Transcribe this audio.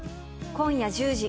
今夜１０時。